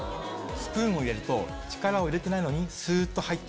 スプーンを入れると力を入れてないのにすっと入る。